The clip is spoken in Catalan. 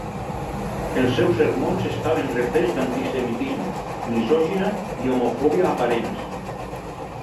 Els seus sermons estaven replets d'antisemitisme, misògina i homofòbia aparents.